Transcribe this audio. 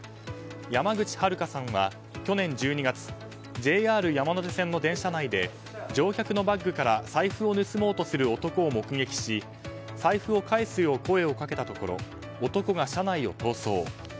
山口春花さんは去年１２月ＪＲ山手線の電車内で乗客のバックから財布を盗もうとする男を目撃し財布を返すよう声をかけたところ男が車内を逃走。